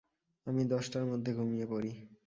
আমি দশটার মধ্যে ঘুমিয়ে পড়ি।